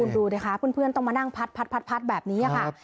ดูดิคะเพื่อนต้องมานั่งพัดแบบนี้ค่ะ